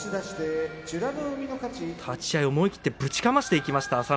立ち合い思い切ってぶちかましていきました